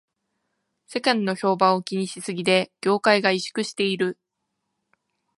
世間の評判を気にしすぎで業界が萎縮している